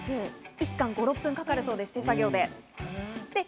１缶５６分かかるそうです、手作業で。